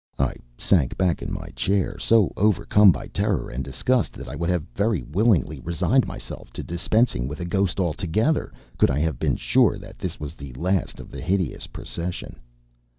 I sank back in my chair, so overcome by terror and disgust that I would have very willingly resigned myself to dispensing with a ghost altogether, could I have been sure that this was the last of the hideous procession.